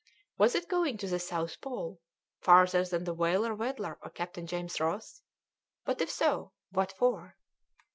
Was it going to the South Pole, farther than the whaler Weddell or Captain James Ross? But, if so, what for?